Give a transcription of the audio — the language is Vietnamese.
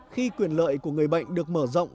khi quyền lợi của người bệnh được mở rộng